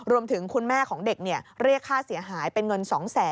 คุณแม่ของเด็กเรียกค่าเสียหายเป็นเงิน๒๐๐๐๐